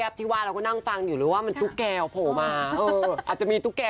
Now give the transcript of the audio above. อ๋ออันนี้จะออกกั๊บแก๊บหรือเปล่าอะไรคะ